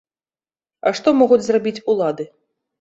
А што могуць зрабіць улады?